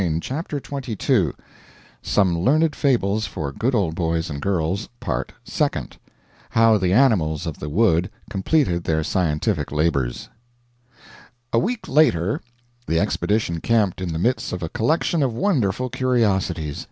END OF PART FIRST SOME LEARNED FABLES FOR GOOD OLD BOYS AND GIRLS PART SECOND HOW THE ANIMALS OF THE WOOD COMPLETED THEIR SCIENTIFIC LABORS A week later the expedition camped in the midst of a collection of wonderful curiosities.